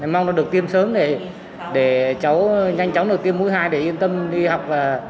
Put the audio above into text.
mong nó được tiêm sớm để cháu nhanh chóng được tiêm mũi hai để yên tâm đi học